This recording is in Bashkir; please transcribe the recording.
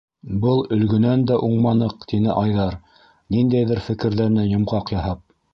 - Был Өлгөнән дә уңманыҡ, - тине Айҙар, ниндәйҙер фекерҙәренә йомғаҡ яһап.